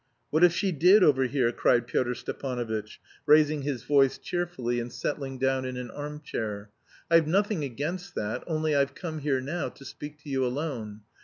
"What if she did overhear?" cried Pyotr Stepanovitch, raising his voice cheerfully, and settling down in an arm chair. "I've nothing against that, only I've come here now to speak to you alone.